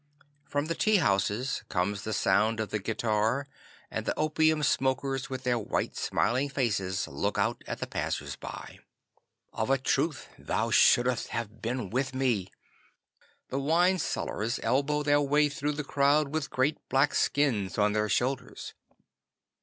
From the tea houses comes the sound of the guitar, and the opium smokers with their white smiling faces look out at the passers by. 'Of a truth thou shouldst have been with me. The wine sellers elbow their way through the crowd with great black skins on their shoulders.